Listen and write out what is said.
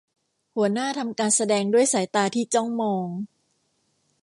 หัวหน้าทำการแสดงด้วยสายตาที่จ้องมอง